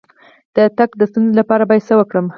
د تګ د ستونزې لپاره باید څه وکړم؟